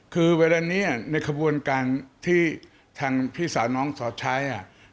คือเวลานี้ในขบวนการที่ทางพี่สาวน้องสอดใช้